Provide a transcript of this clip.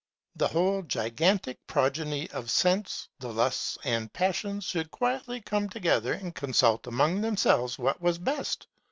The whole gigantic pro geny of sense, the lusts and passions should quietly come together, and consult among them selves what was best.